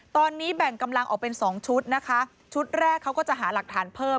ตอนนี้แบ่งกำลังออกเป็นสองชุดนะคะชุดแรกเขาก็จะหาหลักฐานเพิ่ม